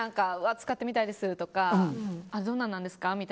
使ってみたいですとかどんなんなんですかって。